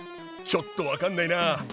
ちょっと分かんないなぁ。